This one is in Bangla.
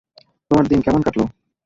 তোমার দিন কেমন কাটলো?